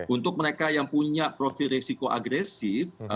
untuk mereka yang punya profil resiko agresif